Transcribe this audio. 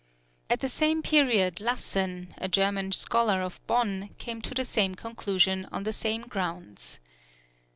At the same period Lassen, a German scholar of Bonn, came to the same conclusion on the same grounds.